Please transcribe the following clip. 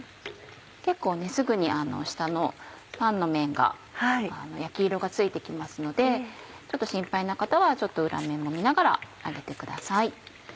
結構すぐに下のパンの面が焼き色がついて来ますのでちょっと心配な方は裏面も見ながら揚げてください。